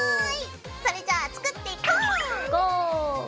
それじゃあ作っていこう！いこう！